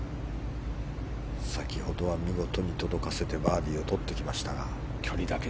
先ほどは見事に届かせてバーディーをとってきました。